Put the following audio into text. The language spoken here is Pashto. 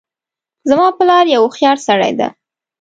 زما پلار یو هوښیارسړی ده